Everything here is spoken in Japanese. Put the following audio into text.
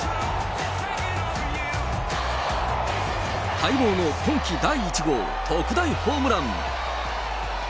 待望の今季第１号特大ホームラン。